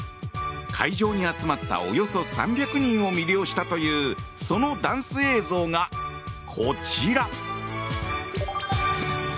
会場に集まったおよそ３００人を魅了したというそのダンス映像がこちら。